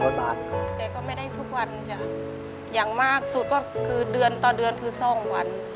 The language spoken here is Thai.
อย่างมากสุดก็คือเดือนต่อเดือนคือซ่องวัน